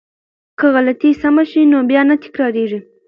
که غلطی سمه شي نو بیا نه تکراریږي.